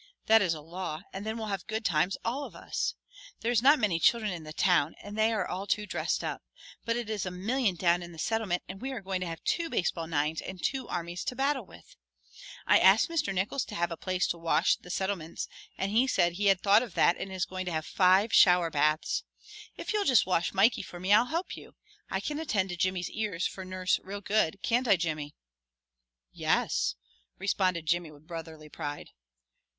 That is a law and then we'll have good times, all of us. There is not many children in the Town and they are all too dressed up, but it is a million down in the Settlement and we are going to have two baseball nines and two armies to battle with. I asked Mr. Nickols to have a place to wash the Settlements and he said he had thought of that and is going to have five shower baths. If you'll just wash Mikey for me I'll help you. I can attend to Jimmy's ears for nurse real good, can't I, Jimmy?" "Yes," responded Jimmy with brotherly pride.